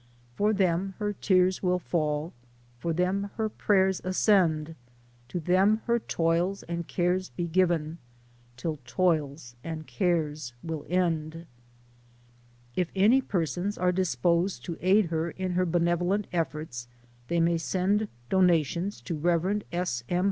For them her tears will fall, For them her prayers ascend ; To them her toils and cares be given, Till toils and cares will end. If any persons are disposed to aid her in her be 104 LIFE OF HARRIET TUBMAN. nevolent efforts, they may send donations to Rev. S. M.